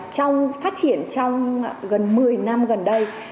trong phát triển trong gần một mươi năm gần đây